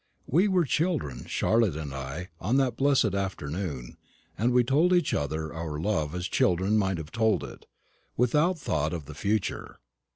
We were children, Charlotte and I, on that blessed afternoon; and we told each other our love as children might have told it, without thought of the future.